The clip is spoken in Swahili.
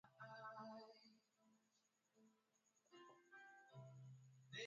Upungufu wa maji mwilini